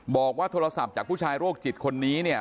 บอกว่าโทรศัพท์จากผู้ชายโรคจิตคนนี้เนี่ย